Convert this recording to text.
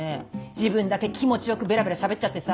自分だけ気持ち良くベラベラしゃべっちゃってさ。